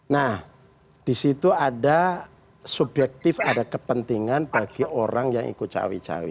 nah di situ ada subjektif ada kepentingan bagi orang yang ikut cawe cawe